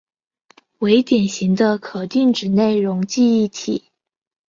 为典型的可定址内容记忆体。